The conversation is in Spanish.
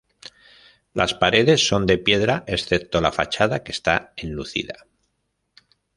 Las paredes son de piedra, excepto la fachada que está enlucida.